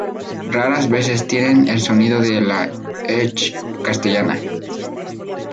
Raras veces tiene el sonido de la ch castellana.